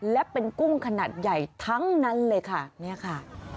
และเป็นกุ้งขนาดใหญ่ทั้งนั้นเลยค่ะเนี่ยค่ะ